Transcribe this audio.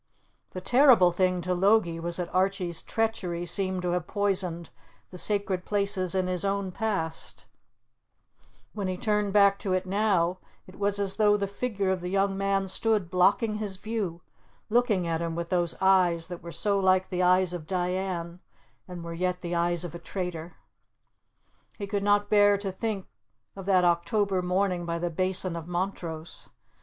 The terrible thing to Logie was that Archie's treachery seemed to have poisoned the sacred places in his own past; when he turned back to it now, it was as though the figure of the young man stood blocking his view, looking at him with those eyes that were so like the eyes of Diane, and were yet the eyes of a traitor. He could not bear to think of that October morning by the Basin of Montrose.